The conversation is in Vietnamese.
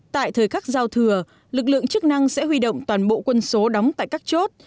tại thời khắc giao thừa lực lượng chức năng sẽ huy động toàn bộ quân số đóng tại các chốt